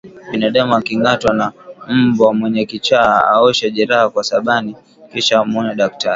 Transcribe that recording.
Binadamu akingatwa na mbwa mwenye kichaa aoshe jeraha kwa sabani kisha amuone daktari